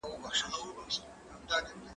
دا کتاب له هغه مفيد دی!.